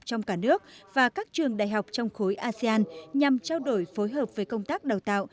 trong cả nước và các trường đại học trong khối asean nhằm trao đổi phối hợp với công tác đào tạo